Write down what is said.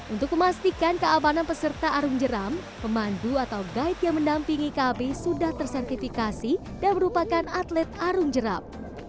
untuk memastikan keamanan peserta arung jeram pemandu atau guide yang mendampingi kb sudah tersertifikasi dan merupakan atlet arung jeram